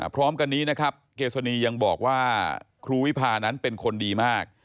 พร้อมกันนี้นะครับเกษณียังบอกว่าครูวิพานั้นเป็นคนดีมาก